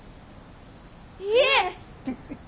いえ。